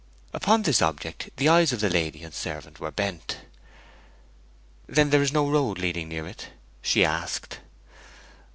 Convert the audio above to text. Upon this object the eyes of lady and servant were bent. 'Then there is no road leading near it?' she asked.